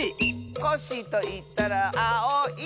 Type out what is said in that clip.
「コッシーといったらあおい！」